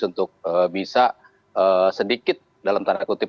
untuk bisa sedikit dalam tanda kutip